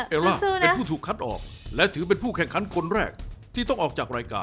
ร่าเป็นผู้ถูกคัดออกและถือเป็นผู้แข่งขันคนแรกที่ต้องออกจากรายการ